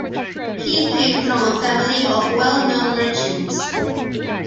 He came from a family of well known merchants.